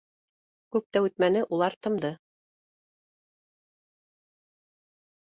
Күп тә үтмәне, улар тымды